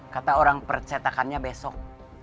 kata orang percetakannya besok